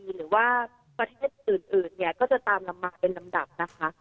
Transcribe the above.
หรือว่าประเทศอื่นเนี่ยก็จะตามลำมาเป็นลำดับนะคะ